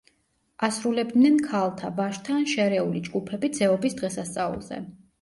ასრულებდნენ ქალთა, ვაჟთა ან შერეული ჯგუფები „ძეობის“ დღესასწაულზე.